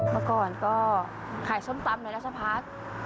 เมื่อก่อนก็ขายส้มปัมหน่อยแล้วสักพัก